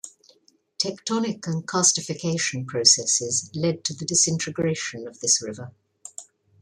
Tectonic and karstification processes led to the disintegration of this river.